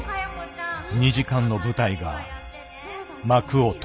２時間の舞台が幕を閉じた。